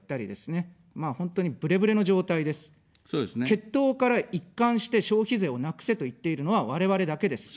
結党から一貫して消費税をなくせと言っているのは我々だけです。